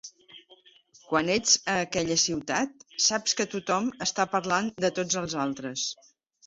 Quan ets a aquella ciutat, saps que tothom està parlant de tots els altres.